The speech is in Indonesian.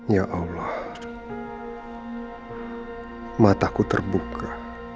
ya allah mataku terbuka